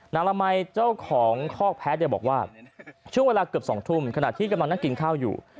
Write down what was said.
ละมัยเจ้าของคอกแพ้เนี่ยบอกว่าช่วงเวลาเกือบ๒ทุ่มขณะที่กำลังนั่งกินข้าวอยู่